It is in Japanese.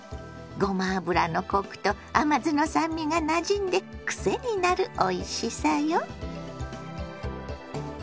ごま油のコクと甘酢の酸味がなじんでくせになるおいしさよ。